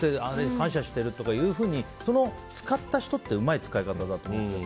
感謝してるっていうふうにその使った人ってうまい使い方だと思うんですよ。